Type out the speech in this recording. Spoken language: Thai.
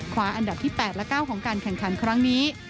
อันดับที่๘และ๙ของการแข่งขันครั้งนี้